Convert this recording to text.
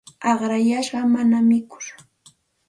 Aqrayashqa mana mikur.